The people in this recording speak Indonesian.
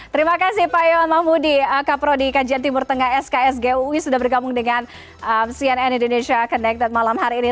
terima kasih pak yon mahmudi kaprodi kajian timur tengah sksgui sudah bergabung dengan cnn indonesia connected malam hari ini